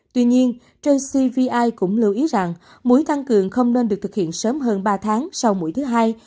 tuy nhiên jcvi cũng lưu ý rằng mũi tăng cường không nên được thực hiện sớm hơn ba tháng sau mũi thứ hai